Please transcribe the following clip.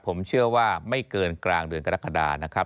ผมเชื่อว่าไม่เกินกลางเดือนกรกฎานะครับ